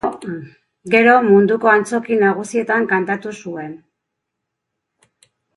Gero munduko antzoki nagusietan kantatu zuen.